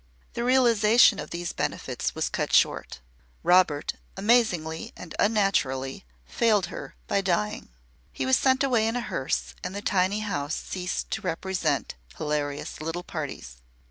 The realisation of these benefits was cut short. Robert, amazingly and unnaturally, failed her by dying. He was sent away in a hearse and the tiny house ceased to represent hilarious little parties.